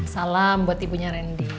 salam buat ibunya randy